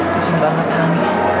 kesan banget han